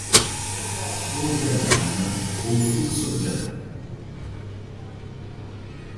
Organograma ou fluxograma